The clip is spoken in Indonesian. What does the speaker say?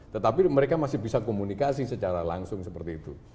tetapi mereka masih bisa komunikasi secara langsung seperti itu